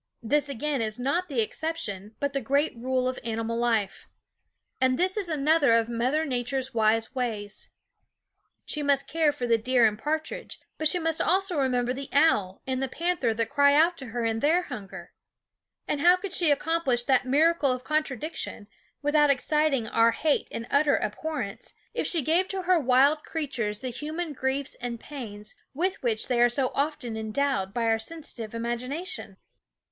This again is not the exception, but the great rule of animal life. And this is another of Mother Nature's wise ways. She must care for the deer and partridge; but she must also remember the owl and the panther that cry out to her in their hunger. And how could she accom plish that miracle of contradiction without exciting our hate and utter abhorrence, if she gave to her wild creatures the human griefs and pains with which they are so often endowed by our sensitive imagination?